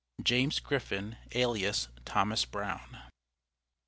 JAMES GRIFFIN ALIAS THOMAS BROWN.